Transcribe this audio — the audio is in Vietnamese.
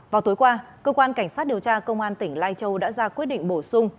vào tối qua cơ quan cảnh sát điều tra công an tỉnh lai châu đã ra quyết định bổ sung